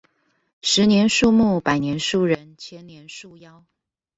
十年樹木，百年樹人，千年樹妖